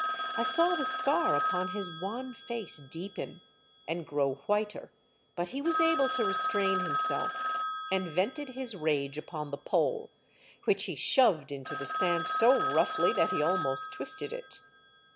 I saw the scar upon his wan face deepen, and grow whiter, but he was able to restrain himself, and vented his rage upon the pole, which he shoved into the sand so roughly that he almost twisted it.